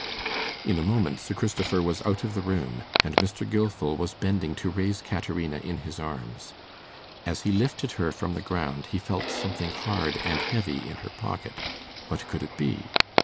In a moment Sir Christopher was out of the room, and Mr. Gilfil was bending to raise Caterina in his arms. As he lifted her from the ground he felt something hard and heavy in her pocket. What could it be?